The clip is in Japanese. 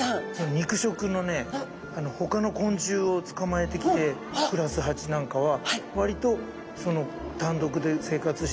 肉食のねほかの昆虫を捕まえてきて暮らすハチなんかは割と単独で生活してます。